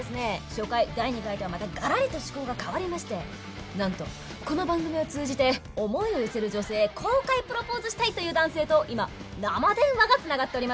初回第２回とはまたがらりと趣向が変わりましてなんとこの番組を通じて思いを寄せる女性へ公開プロポーズしたいという男性と今生電話が繋がっております。